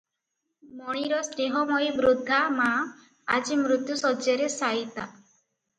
ମଣିର ସ୍ନେହମୟୀ ବୃଦ୍ଧା ମାଆ ଆଜି ମୃତ୍ୟୁଶଯ୍ୟାରେ ଶାୟିତା ।